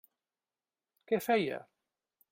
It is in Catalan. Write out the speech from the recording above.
Què feia?